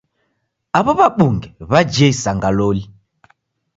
Aw'o w'abunge w'ajie isanga loli!